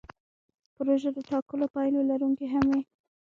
پروژه د ټاکلو پایلو لرونکې هم وي.